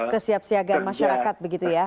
kesiapsiagaan masyarakat begitu ya